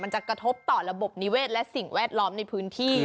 จะกระทบต่อระบบนิเวศและสิ่งแวดล้อมในพื้นที่